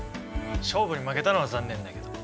勝負に負けたのは残念だけど。